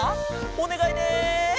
おねがいね！